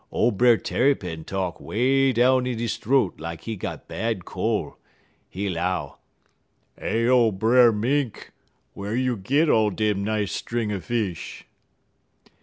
Ole Brer Tarrypin talk 'way down in he th'oat lak he got bad col'. He 'low: "'Heyo, Brer Mink! Whar you git all dem nice string er fish?'